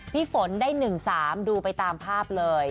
พี่ฝนได้๑๓ดูไปตามภาพเลย